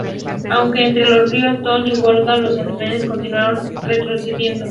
Aunque entre los ríos Don y Volga, los alemanes continuaron retrocediendo.